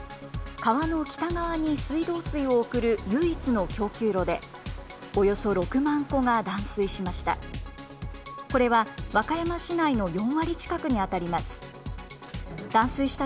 川の北側に水道水を送る唯一の供給路で、およそ６万戸が断水しました。